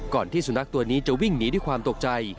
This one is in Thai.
ก่อนที่สุนัขตัวนี้จะวิ่งหนีที่ความตกใจ